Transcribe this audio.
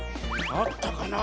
あったかな？